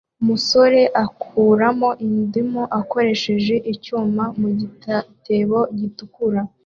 Umusore ukuramo indimu akoresheje icyuma mu gitebo gitukura